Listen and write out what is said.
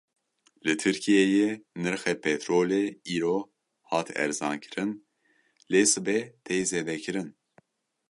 Li Tirkiyeyê nirxê petrolê îro hat erzankirin, lê sibê tê zêdekirin.